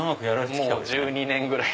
もう１２年ぐらい。